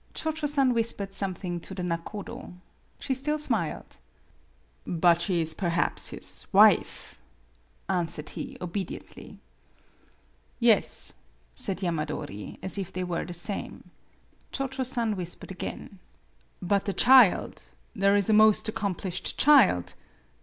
Cho Cho San whispered something to the nakodo. She still smiled. "But she is perhaps his wife," answered he, obediently. "Yes," said Yamadori, as if they were the same. Cho Cho San whispered again. MADAME BUTTERFLY 43 11 But the child there is a most accom plished child